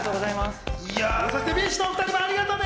そしてＢｉＳＨのお２人もありがとね。